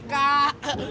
cekak cekak cekakak